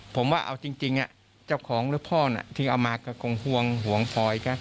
ผมว่าเอาจริงจับของหรือพ่อที่เอามากระกงฮวงห่วงพลอย